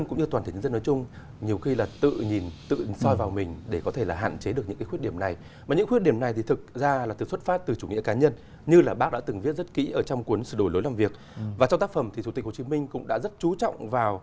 không giữ được bản thân mình và